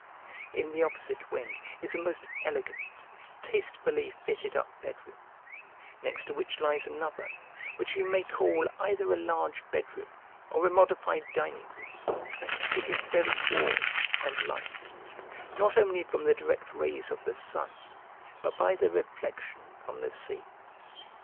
In the opposite wing is a most elegant, tastefully fitted up bed room; next to which lies another, which you may call either a large bed room or a modified dining room; it is very warm and light, not only from the direct rays of the sun, but by their reflection from the sea.